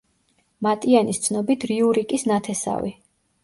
მატიანის ცნობით, რიურიკის ნათესავი.